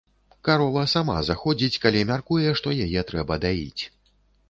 Карова сама заходзіць, калі мяркуе, што яе трэба даіць.